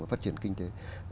và phát triển kinh tế